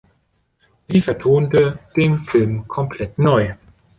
Sie vertonte den Film komplett neu.